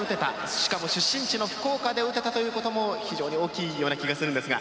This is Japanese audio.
しかも、出身地の福岡で打てたという事も非常に大きいような気がするんですが。